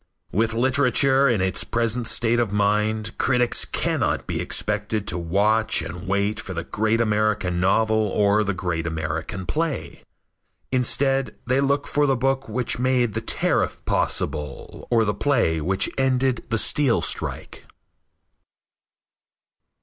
With literature in its present state of mind critics cannot be expected to watch and wait for the great American novel or the great American play. Instead they look for the book which made the tariff possible, or the play which ended the steel strike.